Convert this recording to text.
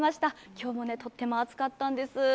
今日もとっても暑かったんです。